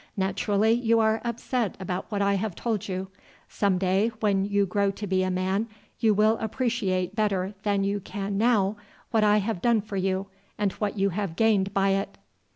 Naturally you are upset about what I have told you. Some day when you grow to be a man you will appreciate better than you can now what I have done for you, and what you have gained by it."